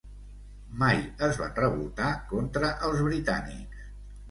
Mai es van revoltar contra els britànics.